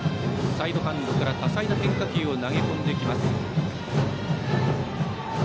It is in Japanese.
サイドハンドから多彩な変化球を投げ込んできます。